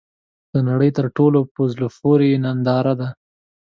د نړۍ تر ټولو ، په زړه پورې ننداره ده .